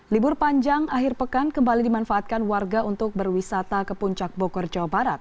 libur panjang akhir pekan kembali dimanfaatkan warga untuk berwisata ke puncak bogor jawa barat